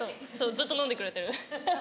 ずっと飲んでくれてる。